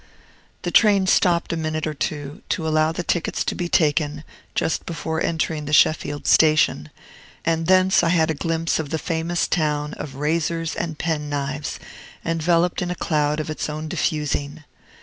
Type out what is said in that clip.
The train stopped a minute or two, to allow the tickets to be taken, just before entering the Sheffield station, and thence I had a glimpse of the famous town of razors and penknives, enveloped in a cloud of its own diffusing.